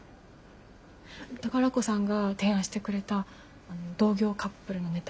宝子さんが提案してくれた同業カップルのネタ